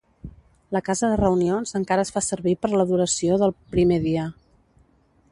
La casa de reunions encara es fa servir per l'adoració del "Primer dia".